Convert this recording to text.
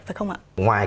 phải không ạ